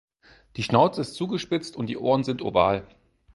Die Schnauze ist zugespitzt und die Ohren sind oval.